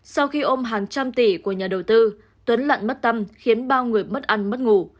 sau khi ôm hàng trăm tỷ của nhà đầu tư tuấn lặn mất tâm khiến bao người mất ăn mất ngủ